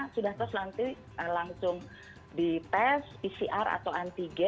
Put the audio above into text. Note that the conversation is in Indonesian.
sudah terus nanti langsung di test pcr atau antigen